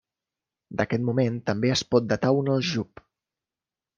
D'aquest moment també es pot datar un aljub.